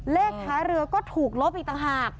เลขท้ายเรือก็ถูกลบอีกต่างหาก